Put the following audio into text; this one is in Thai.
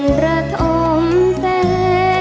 เพราะฉันก็ยังจะกล้าแก่เธอ